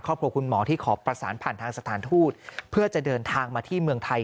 ครอบครัวคุณหมอที่ขอประสานผ่านทางสถานทูตเพื่อจะเดินทางมาที่เมืองไทย